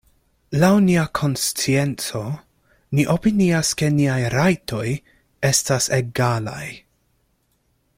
Laŭ nia konscienco, ni opinias, ke niaj rajtoj estas egalaj.